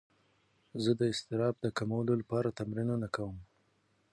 زه د اضطراب د کمولو لپاره تمرینونه کوم.